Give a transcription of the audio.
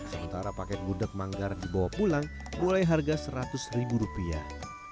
sementara paket gudeg manggar dibawa pulang mulai harga seratus ribu rupiah